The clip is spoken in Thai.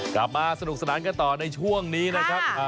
กลับมาสนุกสนานกันต่อในช่วงนี้นะครับ